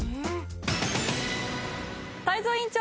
泰造委員長